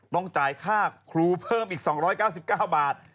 ต้องจ่ายค่าครูเพิ่มอีก๒๙๙บาท